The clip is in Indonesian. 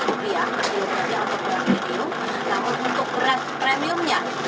jadi paling minim ini atau paling rendah berada di harga sekitar lima belas lima ratus rupiah per kilogram